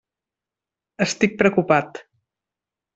Estic preocupat.